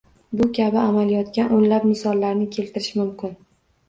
Bu kabi amaliyotga o‘nlab misollarni keltirish mumkin.